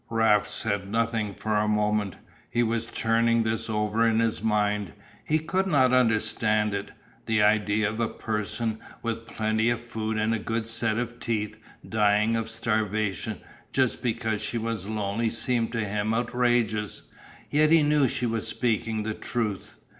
Raft said nothing for a moment, he was turning this over in his mind. He could not understand it. The idea of a person with plenty of food and a good set of teeth dying of starvation just because she was lonely seemed to him outrageous, yet he knew she was speaking the truth.